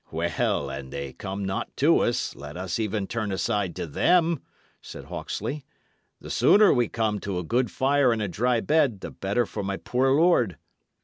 "Well, an' they come not to us, let us even turn aside to them," said Hawksley. "The sooner we come to a good fire and a dry bed the better for my poor lord."